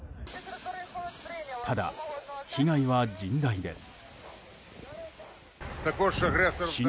ただ、被害は甚大です。